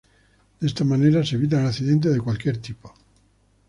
De esta manera, se evitan accidentes de cualquier tipo.